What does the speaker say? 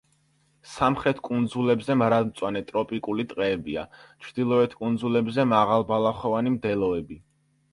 სამხრეთ კუნძულებზე მარადმწვანე ტროპიკული ტყეებია, ჩრდილოეთ კუნძულებზე მაღალბალახოვანი მდელოები.